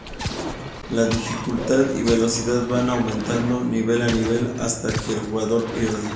La dificultad y velocidad van aumentando nivel a nivel, hasta que el jugador pierda.